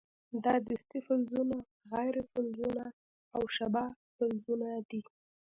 دا دستې فلزونه، غیر فلزونه او شبه فلزونه دي.